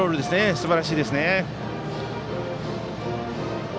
すばらしいですね。